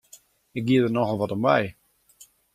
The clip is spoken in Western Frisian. It gie der nochal wat om wei!